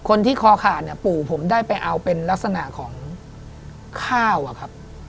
คอขาดเนี่ยปู่ผมได้ไปเอาเป็นลักษณะของข้าวอะครับ